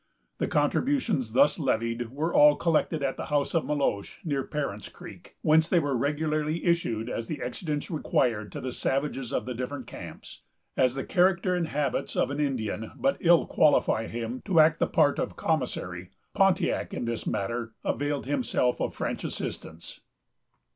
The contributions thus levied were all collected at the house of Meloche, near Parent's Creek, whence they were regularly issued, as the exigence required, to the savages of the different camps. As the character and habits of an Indian but ill qualify him to act the part of commissary, Pontiac in this matter availed himself of French assistance.